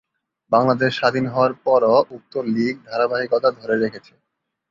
বাংলাদেশ স্বাধীন হওয়ার পরও উক্ত লীগ ধারাবাহিকতা ধরে রেখেছে।